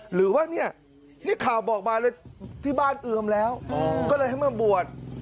หรือว่าเนี่ยนี่ข่าวบอกมาเลยที่บ้านเอือมแล้วก็เลยให้มาบวช